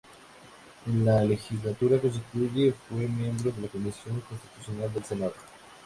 En la legislatura constituyente fue miembro de la Comisión Constitucional del Senado.